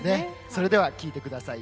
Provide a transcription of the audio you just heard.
それでは聴いてください。